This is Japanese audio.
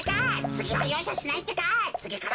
つぎはようしゃしないってか！